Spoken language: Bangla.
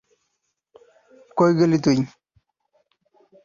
কই গেলি তুই?